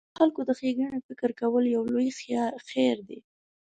د خلکو د ښېګڼې فکر کول یو لوی خیر دی.